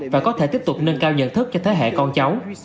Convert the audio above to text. và có thể tiếp tục nâng cao nhận thức cho thế hệ con cháu